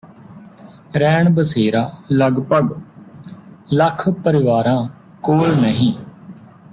ਰੈਣ ਬਸੇਰਾ ਲਗਭਗ ਲੱਖ ਪਰਿਵਾਰਾਂ ਕੋਲ ਨਹੀਂ